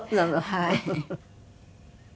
はい。